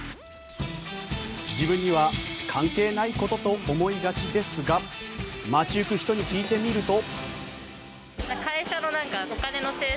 自分には関係ないことと思いがちですが街行く人に聞いてみると。